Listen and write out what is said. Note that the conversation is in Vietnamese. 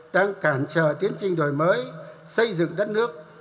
đang cản trở tiến trình đổi mới xây dựng đất nước